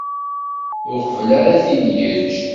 Uqbel ara t-id-yeǧǧ.